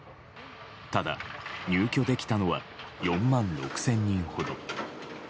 ただ、入居できたのは４万６０００人ほど。